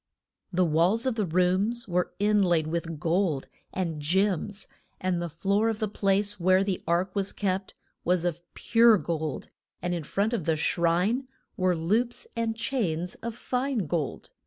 The walls of the rooms were in laid with gold, and gems, and the floor of the place where the ark was kept was of pure gold, and in front of the shrine were loops and chains of fine gold.